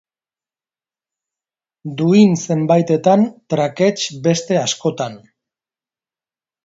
Duin zenbaitetan, trakets beste askotan.